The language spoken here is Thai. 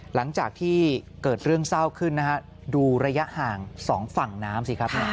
หลังจากที่เกิดเรื่องเศร้าขึ้นนะฮะดูระยะห่าง๒ฝั่งน้ำสิครับ